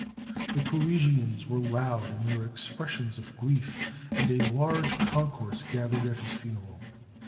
The Parisians were loud in their expressions of grief, and a large concourse gathered at his funeral.